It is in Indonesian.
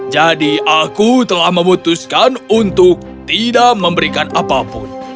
jadi aku telah memutuskan untuk tidak memberikan apapun